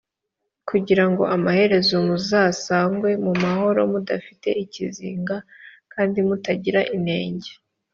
kugira ngo amaherezo muzasangwe mu mahoro mudafite ikizinga kandi mutagira inenge